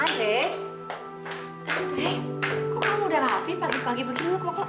andre kok kamu sudah rapi pagi pagi begini mau ke mana